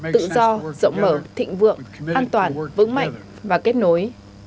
tự do rộng mở thịnh vượng an toàn vững mạnh và kết nối